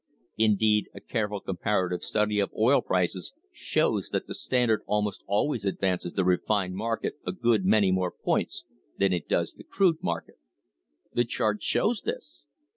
Indeed, a careful comparative study of oil prices shows that the Standard almost always advances the refined market a good many more points than it does the crude market. The chart shows this.